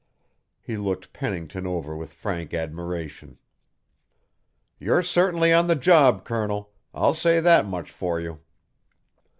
He looked Pennington over with frank admiration. "You're certainly on the job, Colonel. I'll say that much for you.